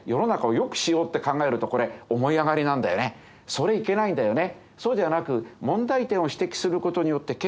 それいけないんだよね。